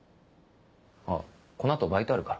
あっこの後バイトあるから。